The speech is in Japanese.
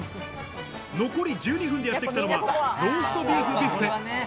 残り１２分でやってきたのはローストビーフビュッフェ。